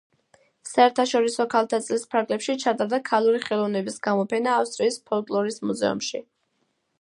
საერთაშორისო ქალთა წლის ფარგლებში ჩატარდა ქალური ხელოვნების გამოფენა ავსტრიის ფოლკლორის მუზეუმში.